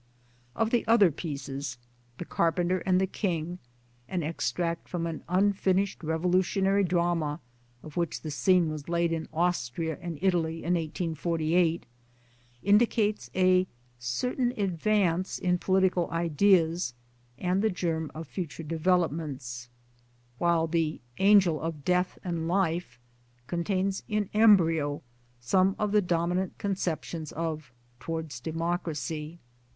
Of the other pieces, ' The Carpenter and the King " an extract from an unfinished revolutionary drama of which the scene was laid in Austria and Italy in 1848 indicates a certain advance in political ideas and the germ of future developments; while "The Angel of Death and Life " contains in embryo some of the dominant conceptions of Towafds Democracy.